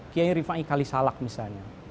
qiyai rifai khali salak misalnya